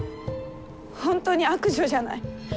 本当に悪女じゃない。